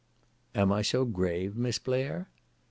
'" '"Am I so grave, Miss Blair?"